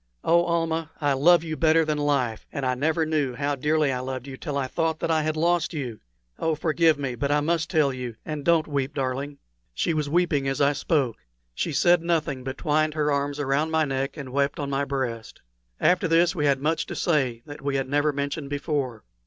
Oh, Almah, I love you better than life and I never knew how dearly I loved you till I thought that I had lost you! Oh, forgive me, but I must tell you and don't weep, darling." She was weeping as I spoke. She said nothing, but twined her arms around my neck and wept on my breast. After this we had much to say that we had never mentioned before.